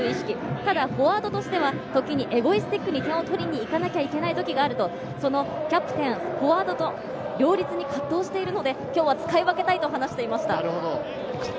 ただフォワードとしては、時にエゴイスティックに、点を取りに行かなきゃいけない時があると、キャプテン、フォワードと両立に葛藤しているので、今日は使い分けたいと話していました。